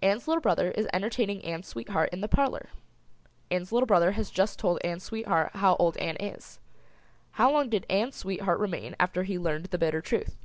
Ann's little brother is entertaining Ann's sweetheart in the parlor. Ann's little brother has just told Ann's sweetheart how old Ann is. How long did Ann's sweetheart remain after he learned the bitter truth?